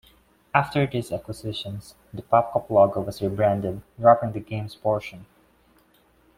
After these acquisitions, the PopCap logo was rebranded, dropping the "Games" portion.